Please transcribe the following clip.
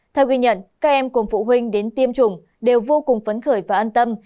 theo ghi nhận các em cùng phụ huynh đến tiêm chủng đều vô cùng phấn khởi và an tâm